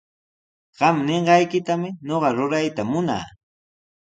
Qam ninqaykitami ñuqa rurayta munaa.